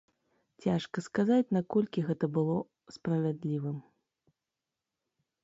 Цяжка сказаць, наколькі гэта было справядлівым.